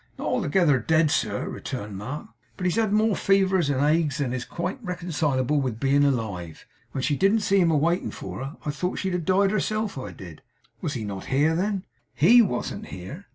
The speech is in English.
'Not altogether dead, sir,' returned Mark; 'but he's had more fevers and agues than is quite reconcilable with being alive. When she didn't see him a waiting for her, I thought she'd have died herself, I did!' 'Was he not here, then?' 'HE wasn't here.